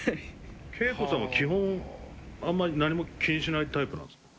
ケイコさんも基本あんまり何も気にしないタイプなんですか？